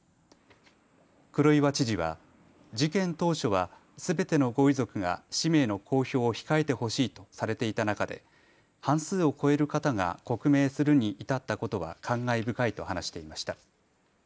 黒岩知事は、事件当初はすべてのご遺族が氏名の公表を控えてほしいとされていた中で半数を超える方が刻銘するに至ったことは感慨深いと話していました。